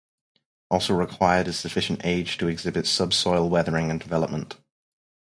Also required is sufficient age to exhibit sub-soil weathering and development.